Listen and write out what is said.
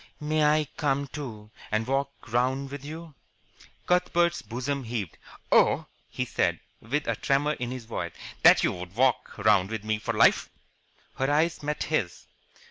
"May I come, too, and walk round with you?" Cuthbert's bosom heaved. "Oh," he said, with a tremor in his voice, "that you would walk round with me for life!" Her eyes met his.